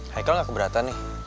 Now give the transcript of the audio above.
heikel gak keberatan nih